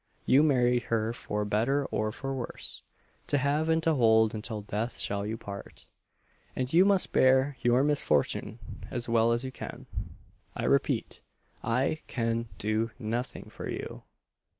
You married her 'for better or for worse, to have and to hold until death shall you part,' and you must bear your misfortune as well as you can. I repeat, I can do nothing for you."